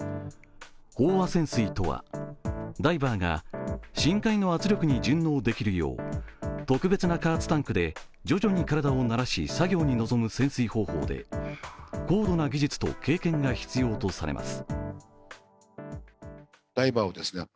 飽和潜水とはダイバーが深海の圧力に順応できるよう特別な加圧タンクで徐々に体を慣らし作業に臨む潜水方法で高度な技術と経験が必要とされます。